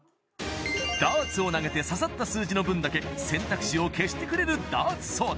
ダーツを投げて刺さった数字の分だけ選択肢を消してくれるダーツソード